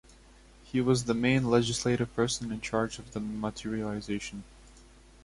He was the main legislative person in charge of the materialization.